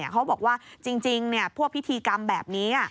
เขาบอกว่าจริงพวกพิธีกรรมแบบนี้